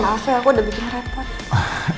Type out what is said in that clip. ma maaf ya aku udah bikin repot